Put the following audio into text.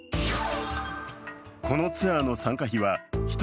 このツアーの参加費は１人